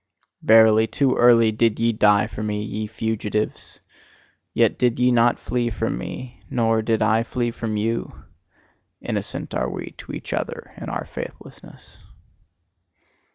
Verily, too early did ye die for me, ye fugitives. Yet did ye not flee from me, nor did I flee from you: innocent are we to each other in our faithlessness.